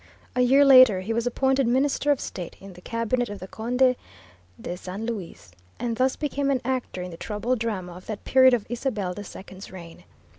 A year later, he was appointed Minister of State in the Cabinet of the Conde de San Luis, and thus became an actor in the troubled drama of that period of Isabel II's reign.